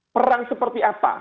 perang seperti apa